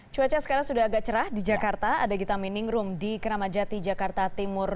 cuaca sekarang sudah agak cerah di jakarta ada gitami ningrum di kramajati jakarta timur